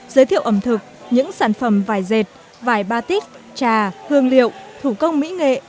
giới thiệu ẩm thực những sản phẩm vải dệt vải batit trà hương liệu thủ công mỹ nghệ